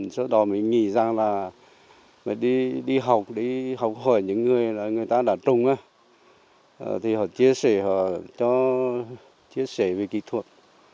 do đó mình nghĩ rằng là đi học đi học hỏi những người là người ta đã trùng á thì họ chia sẻ họ cho chia sẻ về kỹ thuật